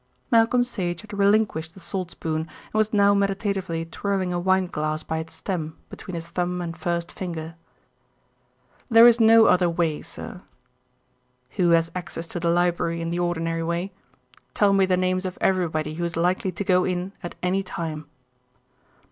Malcolm Sage had relinquished the salt spoon and was now meditatively twirling a wineglass by its stem between his thumb and first finger. "There is no other way, sir." "Who has access to the library in the ordinary way? Tell me the names of everybody who is likely to go in at any time."